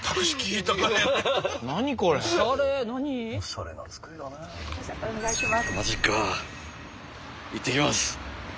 いってきます。